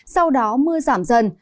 sau đó mưa giảm dần